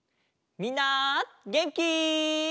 みんなげんき？